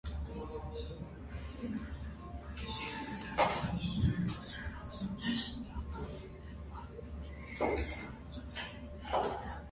Թեփուկաթևավորները բազմաձև են, տեսակների մեծամասնությունը՝ վատ ուսումնասիրված։